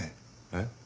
えっ？